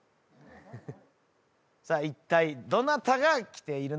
さあいったいどなたが来ているのか？